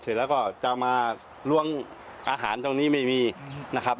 เสร็จแล้วก็จะมาล้วงอาหารตรงนี้ไม่มีนะครับ